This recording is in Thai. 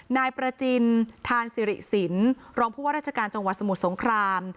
นายประจินธาลสิหริศิลรองพุวรรรดชการจังหวัดสมุดสงคราม